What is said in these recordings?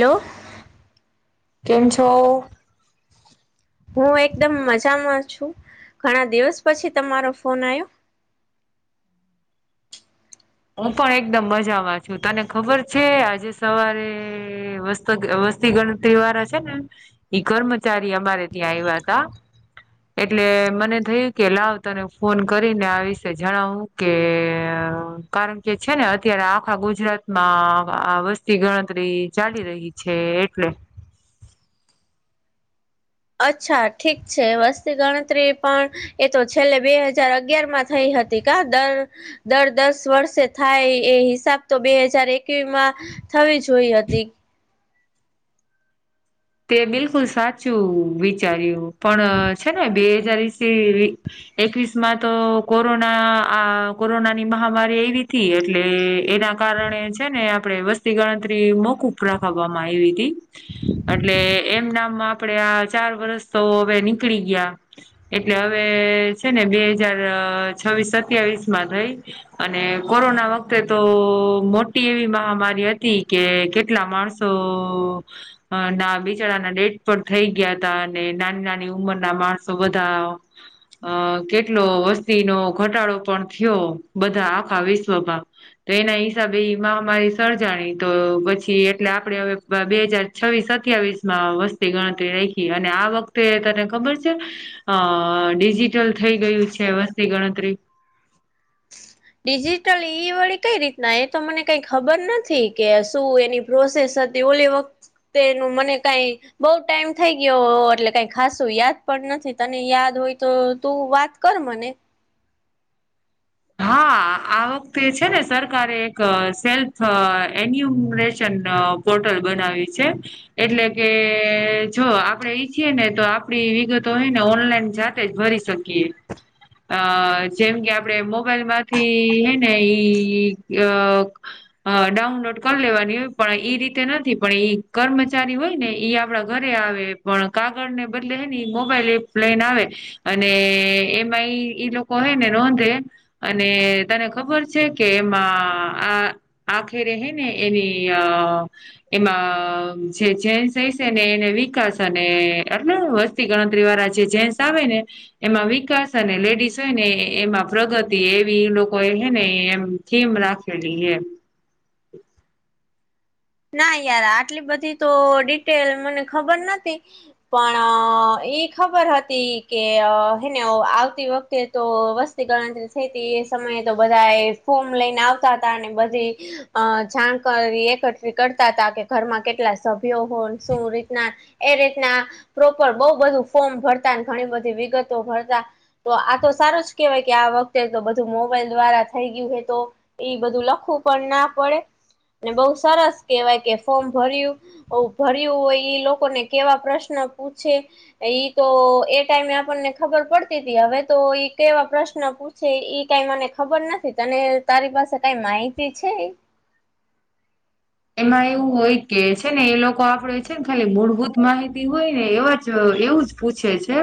Hello કેમ છો? હું એકદમ મજામાં છું, ઘણા દિવસ પછી તમારો ફોન આયો. હું પણ એકદમ મજામાં છું, તને ખબર છે આજે સવારે વસ તોગ વસ્તી ગણતરી વાળા છે ને, ઈ કર્મચારી અમારે ત્યાં આવ્યાતા. એટલે મને થયું કે, લાવ તને ફોન કરીને આ વિશે જણાવું. કેઅ કારણ કે છે ને અત્યારે આખા ગુજરાત માં આ વસ્તી ગણતરી ચાલી રહી છે એટલે અચ્છા ઠીક છે વસ્તી ગણતરી પણ એ તો છેલ્લે બે હાજાર અગિયાર માં થઈ હતી, કા દર દર દસ વર્ષે થાય એ હિસાબ તો બે હજાર એકવીમાં થવી જોઈ હતી તે બિલકુલ સાચું વિચાર્યું, પણ છે ને બે હજાર ઈસિરી એકવીસ માં તો કોરોના આ કોરોનાની મહામારી આયવિતી એટલે એના કારણે છે ને આપણેે વસ્તી ગણતરીમાં મોકૂફ રાખવામાં આવી હતી એટલે એમ નામમાં આપડે આ ચાર વરસ તો હવે નીકળી ગયા એટલે હવે છે ને બે હજાર છવ્વીસ સત્યાવીસ માં થઈ અને કોરોના વખતે તો મોટી એવી મહામારી હતી, કે કેટલા માણસો તો... ઓ.... ના બિચારાના ડેથ પણ થઈ ગયા હતા, અને નાની નાની ઉંમરના માણસો બધા અ કેટલો વસ્તીનો ઘટાડો પણ થયો, બધા આખા વિશ્વમાં. તો એના હિસાબે ઈ મહામારી સર્જાણી, તો પછી એટલે આપડે હવે બેહજાર છવિ સત્યાવીસ માં વસ્તી ગણતરી રે, અને આ વખતે તને ખબર છે અ ડિજિટલ થઈ ગયું છે વસ્તી ગણતરી. ડિજિટલ ઈ વડી કઈ રીતના? એ તો મને કઈ ખબર નથી કે શું એની પ્રોસેસ હતી, ઓલી વખતેનું મને કાંઇ બઉ ટાઈમ થઈ ગયો એટલે કાઈ ખાસું યાદ પણ નથી, તને યાદ હોય તો તું વાત કર મને હા આ વખતે છે ને સરકારે એક સેલ્ફ એન્યુમરેશન પોર્ટલ બનાવી છે. એટલે કે જો આપડે ઈચ્છીએ ને તો આપડી વિગતો હેને ઓનલાઈન જાતે જ ભરી શક કે અ જેમ કે આપણે મો બાઇલ માંથી હે ને ઈ અ અ ડાઉનલોડ કરી લેવાની હોય પણ એ રીતે નથી, પણ એઈ કર્મચારી હોય ને ઈ આપડા ઘરે આવે પણ કાગળ ને બદલે હેની મોબાઈલ એપ લઈન આવે. અને એમાંય ઈ લોકો હોય ને નોંધે, અને તને ખબર છે કે એમાં આ આખે રહેને એની અ એમાં જે ચેન્જ થઇ છે, ને એને વિકાસ અને એટલ વસ્તુ વસ્તી ગણતરી વાળા જે જેન્ટસ આવે ને એમાં વિકાસ અને લેડીસ હોય ને એમાં પ્રગતિ. એવી લોકો એ હે ને એમ થીમ રાખેલી હ, ના યાર આટલી બધી તો ડિટેલ મને ખબર નથી, પણ એઈ ખબર હતી કે હેને આવતી વખતે તો વસ્ત તી ગણતરી થઈ હતી, એ સમયે તો બધા એ ફોર્મ લઈને આવતા હતા, અને બધી અ જાણકારી એકઠી કરતા હતા, કે ઘરમાં કેટલા સભ્યો હોય શું રીતના એ રીતના પ્રોપર બહું બધું ફોર્મ ભરતા ઘણી બધી વિગતો ભરતા, તો આ તો સારું જ કેહેવાય, કે આ વખતે તો બધું મોબાઈલ દ્વારા થઈ ગયું હે તો એ બધું લખવું પણ ના પડે અને બહું સરસ, કહેવાય કે ફોર્મ ભર્યું ભર્યું હોય, એ લોકોને કેવા પ્રશ્ન પૂછે, ઈ તો એ ટાઈમે આપણને ખબર પડતી હતી હવે તો ઈ કેવા પ્રશ્ન પૂછે, છે, કઈ મને ખબર નથી તને તારી પાસે કઈ માહિતી છે. એમાં એવું હોય કે છે ને એ લોકો આપડે છે ને ખાલી મૂળભૂત માહિતી હોય, ને એવા જ એવું જ પૂછે છે.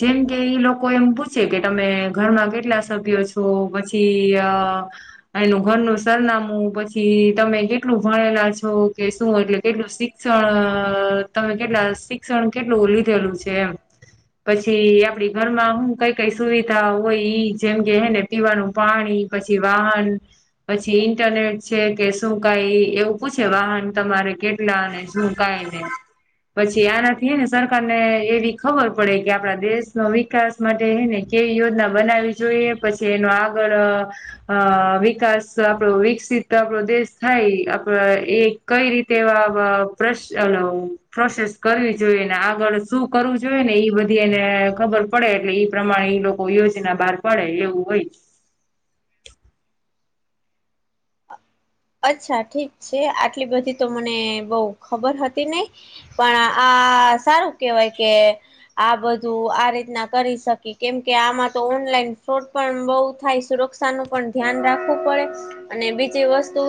જેમ કે ઈ લોકો એમ પૂછે કે તમે ઘરમાં કેટલા સભ્યો છો, પછી અ એનું ઘરનું સરનામું પછી તમે કે કેટલું ભણેલા છો, કે શું એટલે કેટલું શિક્ષણ તમે કેટલા શિક્ણ કેટલું ઓલી થયેલું છે, એમ પછી આપડી ઘરમાં હું કઈ કઈ સુવિધા હોય, ઈ જેમ કે હેને પીવાનું પાણી પછી વાહન પછી ઇન્ટરનેટ છે, કે શું કઈ એવું પૂછે વાહન તમારે કેટલા અને શુંકાય ને પછી આનાથી ને સરકાર ને એવી ખબર પડે કે આપડા દેશનો વિકાસ માટેને કેવી યોજના બનાવી જોઈએ, પછી એનો આગળ અ વિકાસ આપો વિકસિત આપડો દેશ થાય આપડ એ કઈ રીતે એવા [inaudible] પ્રોસેસ કરવી જોઈએ, ને આગળ શું કરવું જોઈએ, ને એ બધી એને ખબર પડે એટલે પ્રમાણે એ લોકો કો યોજના બહાર પડે એવું હોય, જ અચ્છા ઠીક છે, આટલી બધી તો મને બઉ ખબર હતી નહી. પણ આ સારું કેહેવાય કે આ બધું આ રીતના કરી શકી કેમકે આમાં તો ઓનલાઈન ફ્રોડ પણ બહુ થાય, નુક્સાન નું પણ ધ્યાન રાખવું પડે, અને બીજી વસ્તુ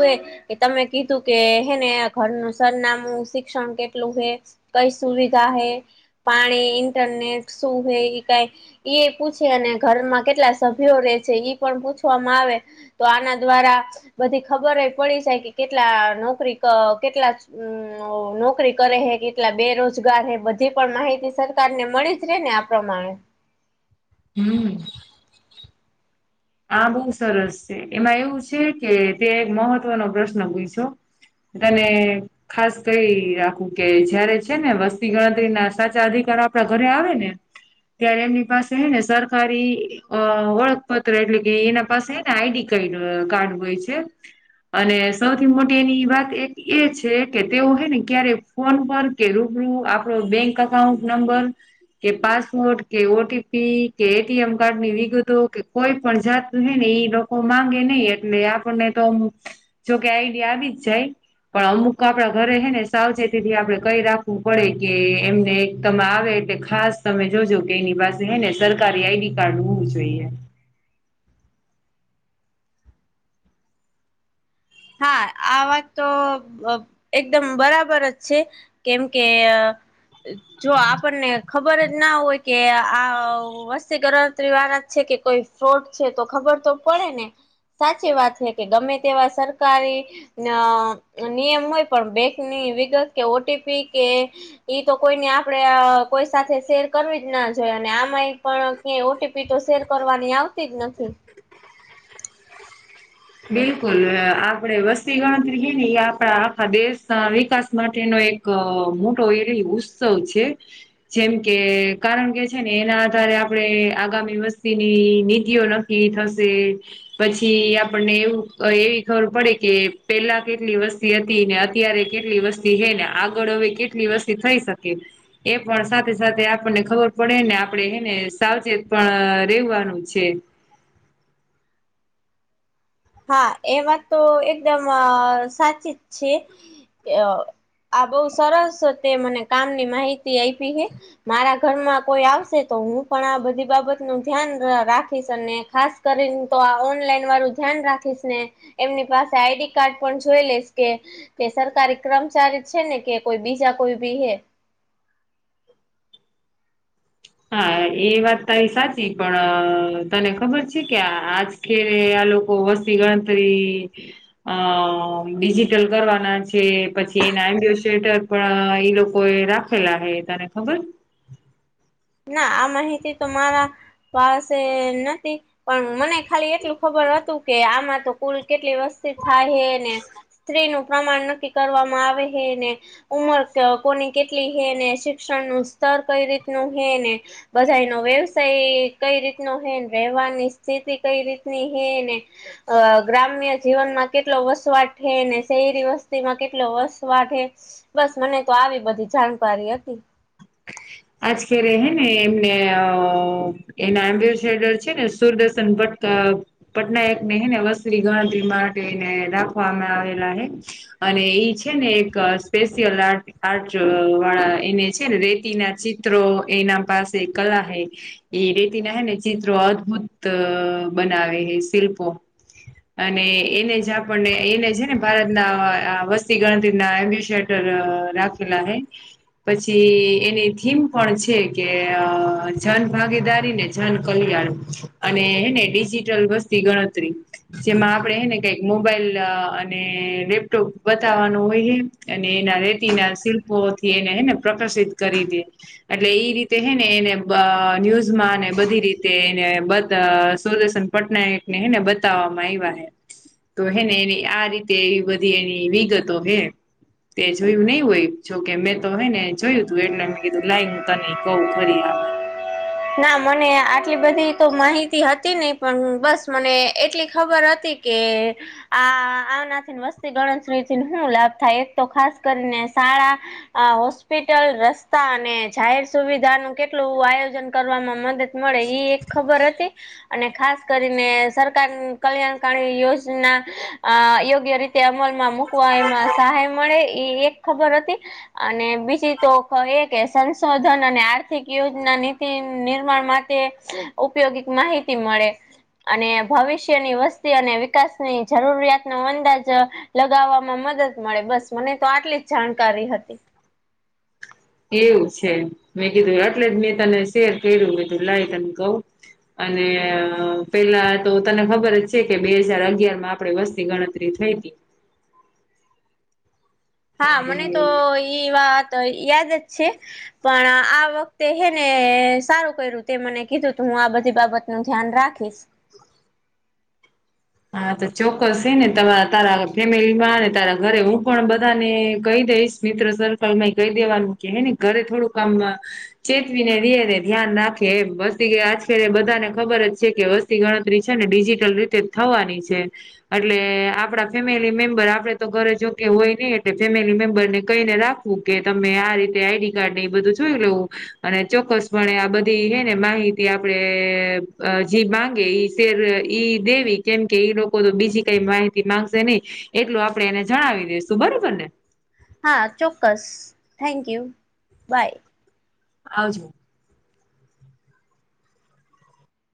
તમે કીધું કે હે ને ઘરનું સરનામું શિક્ષણ કેટલું હે, કઈ સુવિધા હૈ પાણી ઇન્ટરનેટ શું હે એ કઈ એ પૂછે અને ઘરમાં કેટલા સભ્યો રે છે ઈ પણ પૂછવામાં આવે, તો આના દ્વારા બધી ખબર પડી જાય કે કેટલા નોકરી કેટલા હમ નોકરી કરે હે કેટલા બેરોજગાર હે બધી પણ માહિતી સરકાર ને મળી જ રે ને આપ પ્રમાણે હમ્મ આ બહુ સરસ છે, એમાં એવું છે કે તે એક મહત્વનો પ્રશ્ન પૂછછો તને ખાસ કઈ રાખું કે જયારે છે, ને વસ્તી ગણતરી ના સાચા અધિકાર આપડા ઘરે આવે ને ત્યારે એમની પાસે હ ને સરકારી અ ઓળખપત્ર એટલે કે એના પાસેને આઈડીડ કાર્ડ હોય છે, અને સૌથી મોટીની વાત એક એ છે કે તેઓ હોય ને ક્યારે ફોન પર ર્કે રૂબરુ આપળો બેંક અકાઉંન્ટ નંબર કે પાસવોર્ટ કે ઓટીપી કે એટીએમ કાર્ડ ની વિગતો કે કોઈ પણ જાત હેને ઇ લોકો માંગે ન‌ઇ એટલે આપણને તો જોકે આઈડિયા આવી જ જાય. પણ અમુક આપડા ઘરે હે ને સાવચેતી થી આપડણે કઈ રાખવું પડે કે એમને એક તમે આવે એટલે. ખાસ તમે જોજો કે એની પાસે હે ને સરકારી આઈડી કાર્ડ હોવું જોઈએ હા આ વાત તો એકદમ બરાબર જ છે. કેમ કે જો આપણને ખબર જ ના હોય કે આ વસ્તી ગણરાતરી વાળ જ છે કે કોઈ ફોડ છે તો ખબર તો પડે ને સાચી વાત છે કે ગમે તેવા સરકાર સારી ન નિયમ હોય પણ બેંકની વિગત કે ઓટીપી કે ઈ તો કોઈને આપડે કોઈ સાથે શેર કરવી જ ના જોઈએ અને આમાં પણ ક ઓટી એ તો શેર કરવાની આવતી જ નથી બિલકુલ આપડે વસ્તી ગણતરી છે ને એ આપણા આખા દેશ ના વિકાસ માટેનો એક એક મોટો એય ઉત્સવ છે. જેમ કે કારણ કે છે ને એના આધારે આપડણે આગામી વસ્તીની નીતિઓ કિ થશે પછી આપણને એવું એવી ખબર પડે કે પેલા કેટલી વસ્તી હતી ને અત્યારે કેટલી વસ્તી હે ને આગળ હવે કેટલી વર્ષથી થઈ શકે. એ પણ સાથે સાથે આપણને ખબર પડે ને આપડે એને સાવચેત પણ રેવાનું છે. હા એમાં તો એકદમ સાચી જ છે. આ બહુ સરસ તે મને કામની માહિતી આપી છે. મારા ઘરમાં કોઈ આવશે તો હું પણ આ બધી બાબત નું ધ્યાન રાખીશ અને ખાસ. કરીને તો આ ઓનલાઈન વાળું. ધ્યાન રાખીશ ને એમની પાસે આઈડી કાર્ડ પણ જોઈ લઈશ કે. કે સરકારી કર્મચારી છે ને કે કોઈ બીજા કોઈ બી હે હા એ વાત તારી સાચી પણ તને ખબર છે કે આજ કે આ લોકો વસ્તી ગણતરી. અ ડિજિટલ કરવાના છે પછી એના એમ્બુ સેન્ટર. પણ ઈ લોકો એ રાખેલા હે તને ખબર. ના આ માહિતી તો મારા પાસે નથી. પણ મને ખાલી એટલું ખબર હતું કે આમાં તો કુલ કેટલી વસ્તી થાય હે ને. સ્ત્રી નું પ્રમાણ નક્કી કરવામાં આવે હે ને ઉમર કોની કેટલી હે ને શિક્ષણનું સ્તર કઈ રીતનું હે ને. બધા નો વ્યવસાય કઈ રીતનો હે વ્યવહારની સ્થિતિ કઈ રીતની હે ને. અ ગ્રામ્ય જીવનમાં કેટલો વસવાટ છે અનેને શહેરી વસ્તી માં કેટલો વસવાટ હે બસ મને તો આવી બધી જાણકારી હતી. આજ કે્યારે હે ને એમને એના એમ્બેસેડર છે ને સુરદર્શન ભટકા. પટનાયક ને હે ને વસ્ત્રી ગણત્રી માટેને રાખવામાં આવેલા હૈ અને એઈ છે ને એક સ્પેશિયલ આર્ટ આર્ટ વાળા એને છે ને રે એના ચિત્રો એના પાસે કલા હૈ. એ રેતી ના હે ને ચિત્રો અદભુત બનાવે હે શિલ્પો અને એને જ આપણને એને છે ને ભારતના વસ્તી ગણતરી ના એમ્બ્યુ ર રાખેલા હૈ પછી એની થીમ પણ છે કે અ જન ભાગીદારી ને જન કલ્યાણ. અને હેને ડિજિટલ વસ્તી ગણતરી. જેમાં આપડે હે ને કઈક મોબાઈલ અને લેપટોપ બતાવવાનું હોય. અને એના રેતી ના શિલ્પોથી એને હેને પ્રકાશિત કરી દે એટલે એઈ રીતે હે ને એને ન્યૂઝ માં બધી રીતે એને બધ સુરદર્શન પટનાયક ને હે ને બતાવવામાં આવ્યા હે. તો હે ને એની આ રીતે એ બધી એની વિગતો હે, તે જોયું નહી હોય જોકે મેં તો હોય ને જોયું. તો એટલે મેં કીધું લઈ હું તને કહું ખરી આ આવેર. ના મને આટલી બધી તો માહિતી હતી નહ પણ બસ મને એટલી ખબર હતી. કે. આ આનાથી વસ્તી ગણતરી થી શું લાભ થાય એક તો ખાસ કરીને, શાળા આ હોસ્પિટલ રસ્તા અને જાહેર સુવિધા નું કેટલું, આયોજન કરવામાં મદદ મળે એ એક ખબર હતી. અને ખાસ કરીને સરકાર કલ્યાણકારી યોજના અ યોગ્ય રીતે. તે અમલમાં મુૂકવા એમાં સહાય મળે એ એક ખબર હતી. અને બીજી તો એ કે સંશોધન અને આર્થિક યોજના ની નિર્માણ માટે ઉપયોગિક માહિતી મળે. અને ભવિષ્યની વસ્તી અને વિકાસની જરૂરિયાતનો અંદાજ લગાવવામાં મદદ મળે, બસ મને તો આટલી જ જાણકારી હતી. એવું છે મેં કીધું એટલે જ મેં તને શેર કર્યું લાઈ તને કવ. અને પેલા તો તને ખબર જ છે, કે બે હજર અગિયારમાં આપે વસ્તી ગણતરી થઇ હતી. હા, અને મને તો એ વાત યાદ જ છે. પણ આ વખતે હે ને સારું કર્યું તે મને કીધું, હું આ બધી બાબત નું ધ્યાન રાખીશ. હા, તો ચોક્કસ હે ને ત તારા ફેમિલીમાં ને તારા ઘરે હું પણ બધાને કઈ દઈશ મિત્ર સર્કલમાય કઈ દેવાનું કે, હે ને ઘરે થોડું આમ ચેતવીને રેએ ને ધ્યાન રાખે એમ વસ્તી કે આજ કાર્ય બધાને ખબર જ છે કે વસ્તી ગણતરી છે ને ડિજિટલ રીતે જ થવાની છે. એટલે આપડા ફેમિલી મેમ્બર આપડે તો ઘરે જો કે હોય નઈ એટલે ફેમિલી મેમ્બરને કઈને રાખ પકે તમે આ રીતે આઈડી કાર્ડને એ બધું જોઈ લેવું, અને ચોક્કસપણે આ બધી હે ને માહિ તે આપડે અ જે માંગે ઈ શેર ઈ દેવી કેમ કે ઈ લોકો તો બીજી કઈ માહિતી માંગશે નહી, એટલુ આપડે એને જણાવી દઈશું બરોબર ને હા, ચોક્કસ. Thank you. બાય. આવજો.